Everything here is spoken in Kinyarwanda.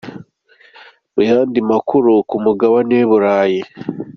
Mu yandi makuru ku mugabane w’u Burayi: .